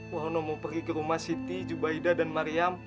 worno mau pergi ke rumah siti jubaida dan mariam